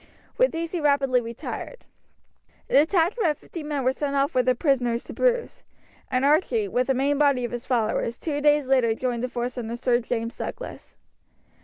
With these he rapidly retired. A detachment of fifty men were sent off with the prisoners to Bruce, and Archie, with the main body of his followers, two days later joined the force under Sir James Douglas.